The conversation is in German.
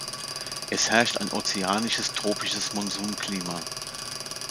Es herrscht ein ozeanisches tropisches Monsunklima.